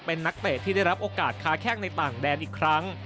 เป็นนักเตะที่ได้รับโอกาสค้าแข้งในต่างแดนอีกครั้ง